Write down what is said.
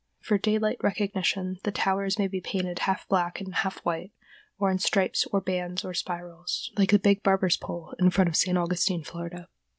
For daylight recognition the towers may be painted half black and half white, or in stripes or bands or spirals, like the big barber's pole in front of St. Augustine, Florida.